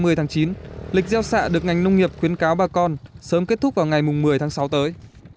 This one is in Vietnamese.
nếu giao xạ muộn lịch giao xạ được ngành nông nghiệp khuyến cáo ba con sớm kết thúc vào ngày một mươi tháng sáu tới